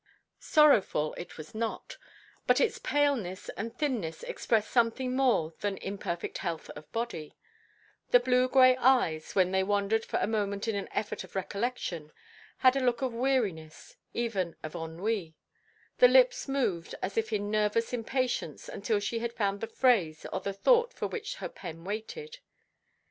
Sorrowful it was not, but its paleness and thinness expressed something more than imperfect health of body; the blue grey eyes, when they wandered for a moment in an effort of recollection, had a look of weariness, even of ennui; the lips moved as if in nervous impatience until she had found the phrase or the thought for which her pen waited.